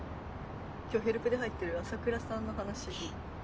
今日ヘルプで入ってる朝倉さんの話。